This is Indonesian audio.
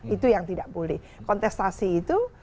itu yang tidak boleh kontestasi itu